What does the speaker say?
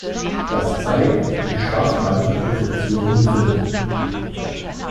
Das zeigt, wie schwach manche Positionen sind.